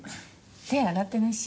手洗ってないし。